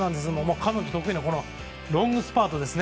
彼女得意のロングスパート。